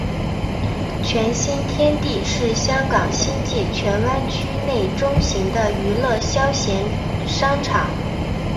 荃新天地是香港新界荃湾区内中型的娱乐消闲商场。